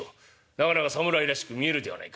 なかなか侍らしく見えるではないか。